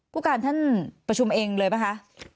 ผู้การท่านประชุมเองเลยป่ะคะ